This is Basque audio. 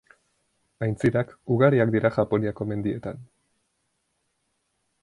Aintzirak ugariak dira Japoniako mendietan.